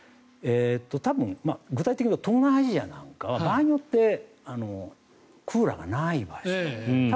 多分、具体的に東南アジアなんかは場合によってクーラーがない場所がある。